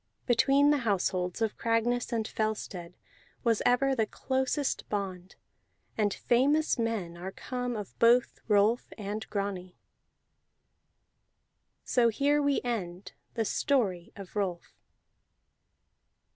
Between the households of Cragness and Fellstead was ever the closest bond, and famous men are come of both Rolf and Grani. So here we end the Story of Rolf.